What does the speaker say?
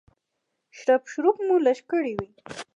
شړپ شړوپ مو لږ کړی وي.